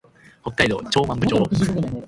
北海道長万部町